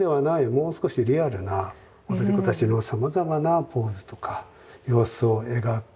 もう少しリアルな踊り子たちのさまざまなポーズとか様子を描く画家ですよね。